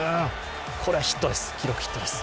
これはヒットです。